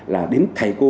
là đến thầy cô